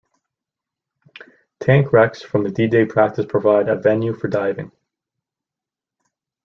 Tank wrecks from the D-Day practice provide a venue for diving.